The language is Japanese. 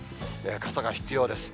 傘が必要です。